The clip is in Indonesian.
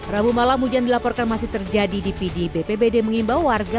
rabu malam hujan dilaporkan masih terjadi di pd bpbd mengimbau warga